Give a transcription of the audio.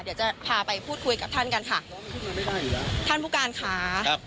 เดี๋ยวจะพาไปพูดคุยกับท่านกันค่ะไม่ได้อยู่แล้วท่านผู้การค่ะครับ